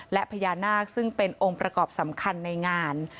และพญานาคซึ่งเป็นองค์ประกอบสำคัญในงาน